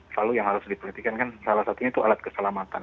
selalu yang harus diperhatikan kan salah satunya itu alat keselamatan